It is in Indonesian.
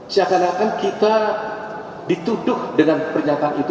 seakan akan kita dituduh dengan pernyataan itu